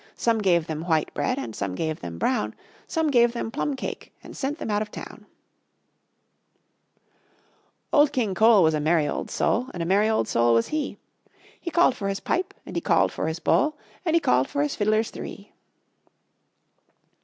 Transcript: Some gave them white bread, And some gave them brown; Some gave them plum cake, And sent them out of town. Old King Cole Was a merry old soul, And a merry old soul was he; He called for his pipe, And he called for his bowl, And he called for his fiddlers three.